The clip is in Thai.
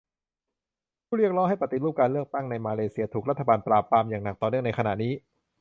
ผู้เรียกร้องให้ปฏิรูปการเลือกตั้งในมาเลเซีย ถูกรัฐบาลปราบปรามอย่างหนักต่อเนื่องในขณะนี้